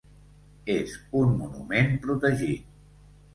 És un monument protegit.